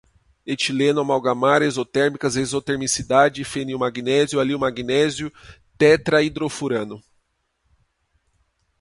etileno, amalgamar, exotérmicas, exotermicidade, fenilmagnésio, alilmagnésio, tetrahidrofurano